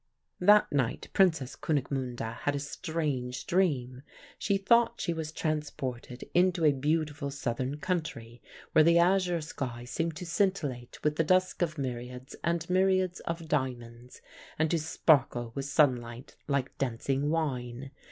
"That night Princess Kunigmunde had a strange dream. She thought she was transported into a beautiful southern country where the azure sky seemed to scintillate with the dust of myriads and myriads of diamonds, and to sparkle with sunlight like dancing wine.